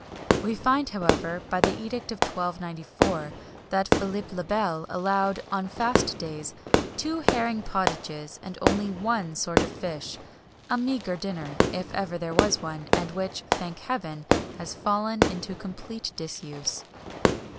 We find, however, by the Edict of 1294, that Philip le Bel allowed, on fast days, two herring pottages, and only one sort of fish a meagre dinner, if ever there was one, and which, thank heaven, has fallen into complete disuse.